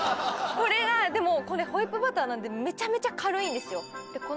これがでもこれホイップバターなんでメチャメチャ軽いんですよで